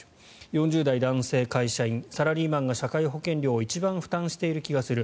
４０代男性会社員サラリーマンが社会保険料を一番負担している気がする。